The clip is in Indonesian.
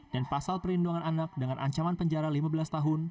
dan pasal perlindungan anak dengan ancaman penjara lima belas tahun